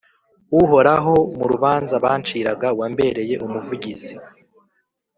Uhoraho, mu rubanza banciraga, wambereye umuvugizi,